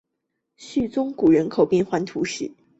叙宗谷人口变化图示叙宗谷因历史上的而闻名。